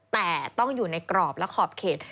แต่ต้องอยู่ในกรอบและขอบเขต